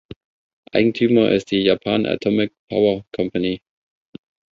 Eigentümer ist die Japan Atomic Power Company.